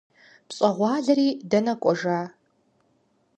ПщӀэгъуалэри дэнэ кӀуэжа?